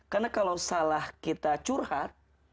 karena kalau salah kita curhat